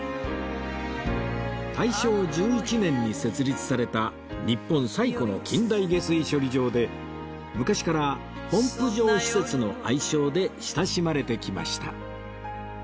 大正１１年に設立された日本最古の近代下水処理場で昔から「ポンプ場施設」の愛称で親しまれてきました